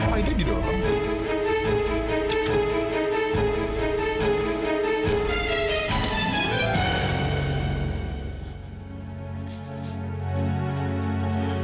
apaan dia di dalam